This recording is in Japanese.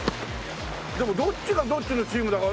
でもどっちがどっちのチームだか。